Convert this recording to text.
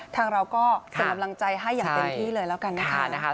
ทางเราก็เป็นกำลังใจให้อย่างเต็มที่เลยแล้วกันนะคะ